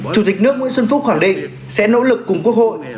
chủ tịch nước nguyễn xuân phúc khẳng định sẽ nỗ lực cùng quốc hội